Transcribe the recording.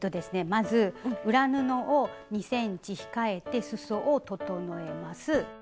まず裏布を２ｃｍ控えてすそを整えます。